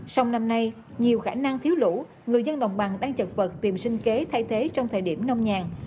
sông năm nay nhiều khả năng thiếu lũ người dân đồng bằng đang chật vật tìm sinh kế thay thế trong thời điểm nông nhàn